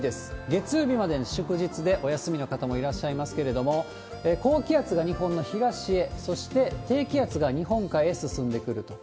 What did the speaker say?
月曜日まで祝日でお休みの方もいらっしゃいますけれども、高気圧が日本の東へ、そして低気圧が日本海へ進んでくると。